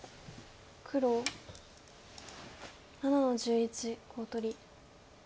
黒７の十一コウ取り。